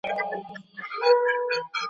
ده د سپکاوي ازادي نه منله.